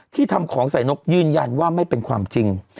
ทำของใส่นกยืนยันว่าไม่เป็นความจริง